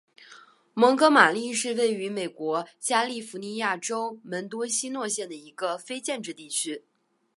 蒙哥马利是位于美国加利福尼亚州门多西诺县的一个非建制地区。